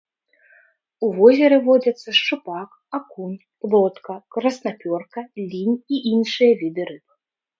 У возеры водзяцца шчупак, акунь, плотка, краснапёрка, лінь і іншыя віды рыб.